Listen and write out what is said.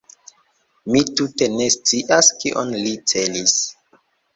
Mi tute ne scias kion li celis.